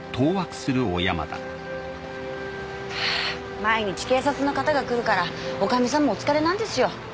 ハァ毎日警察の方が来るから女将さんもお疲れなんですよ